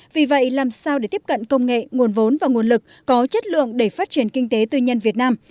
vì vậy làm sao để tiếp cận công nghệ nguồn vốn và nguồn lực có chất lượng để phát triển kinh tế tư nhân việt nam